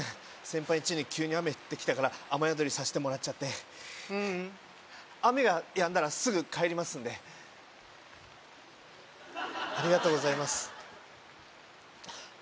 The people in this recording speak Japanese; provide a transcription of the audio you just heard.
先輩んちに急に雨降ってきたから雨宿りさせてもらっちゃってううん雨がやんだらすぐ帰りますんでありがとうございます